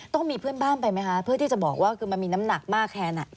ต้องมีเพื่อนบ้านไปไหมคะเพื่อที่จะบอกว่าคือมันมีน้ำหนักมากแทน